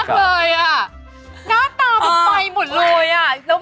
ที่นู่น